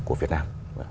của việt nam